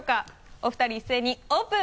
お二人一斉にオープン。